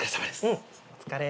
うんお疲れ。